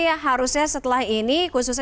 yang harusnya setelah ini khususnya